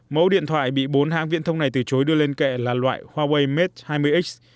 mẫu điện thoại bị bốn hãng viễn thông này từ chối đưa lên kệ là loại huawei mate hai mươi x